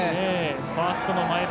ファーストの前田。